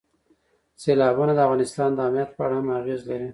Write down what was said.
سیلابونه د افغانستان د امنیت په اړه هم اغېز لري.